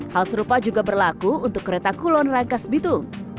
hal serupa juga berlaku untuk kereta kulon rangkas bitung